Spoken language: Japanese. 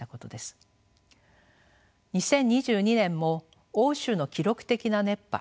２０２２年も欧州の記録的な熱波